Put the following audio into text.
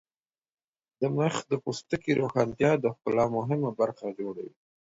د مخ د پوستکي روښانتیا د ښکلا مهمه برخه جوړوي.